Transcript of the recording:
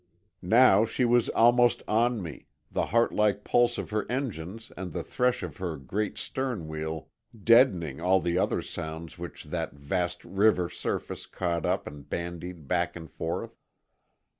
Now she was almost on me, the heart like pulse of her engines and the thresh of her great sternwheel deadening all the other sounds which that vast river surface caught up and bandied back and forth.